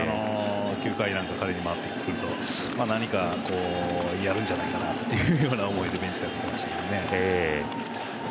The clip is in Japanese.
９回なんか彼に回ってくると何かやるんじゃないかという思いでベンチから見ていましたね。